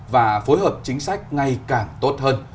và phối hợp chính sách ngày càng tốt hơn